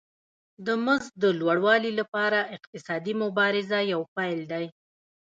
د مزد د لوړوالي لپاره اقتصادي مبارزه یو پیل دی